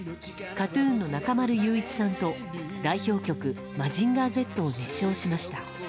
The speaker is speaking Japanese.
ＫＡＴ‐ＴＵＮの中丸雄一さんと代表曲「マジンガーＺ」を熱唱しました。